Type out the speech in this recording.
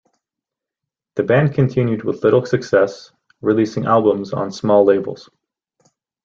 The band continued with little success, releasing albums on small labels.